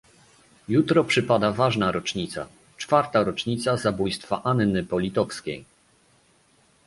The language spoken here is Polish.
Jutro przypada ważna rocznica, czwarta rocznica zabójstwa Anny Politowskiej